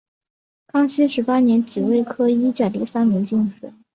康熙十八年己未科一甲第三名进士。